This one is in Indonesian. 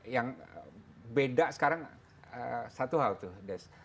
yang beda sekarang satu hal tuh des